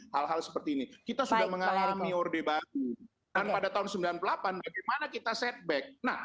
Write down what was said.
hal hal seperti ini kita sudah mengalami orde batu dan pada tahun sembilan puluh delapan bagaimana kita setback nah